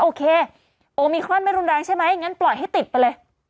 โอเคโอมิครอนไม่รุนแรงใช่ไหมงั้นปล่อยให้ติดไปเลย